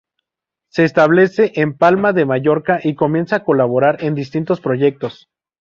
Se establece en Palma de Mallorca y comienza a colaborar en distintos proyectos.